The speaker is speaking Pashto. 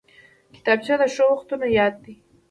کتابچه د ښو وختونو یاد دی